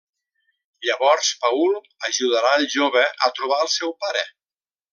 Llavors Paul ajudarà el jove a trobar el seu pare.